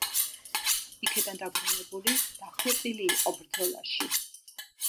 იქიდან დაბრუნებული, დახვეწილი იყო ბრძოლაში.